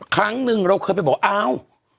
ครั้งหนึ่งเราเคยไปบอกอ้าว